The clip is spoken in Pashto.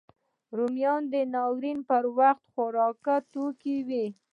رومیان د ناورین پر وخت خوارکي توکی وي